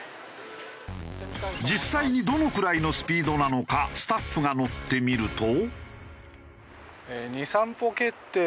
実際にどのくらいのスピードなのかスタッフが乗ってみると。